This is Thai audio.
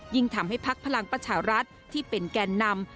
ยิ่งทำให้พักพลังประชารัฐที่เป็นแกนนำ